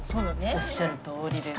おっしゃるとおりです。